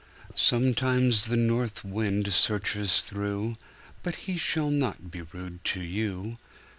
Sometimes the north wind searches through, But he shall not be rude to you.